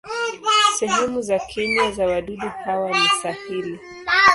Sehemu za kinywa za wadudu hawa ni sahili.